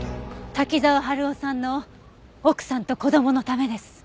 滝沢春夫さんの奥さんと子供のためです。